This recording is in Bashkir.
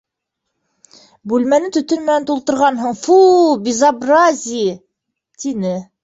Бүлмәне төтөн менән тултырғанһын, фу, безобразие! -тине.